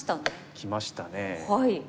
きましたね。